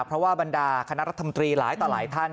เพราะว่าบรรดาคณะรัฐมนตรีหลายต่อหลายท่าน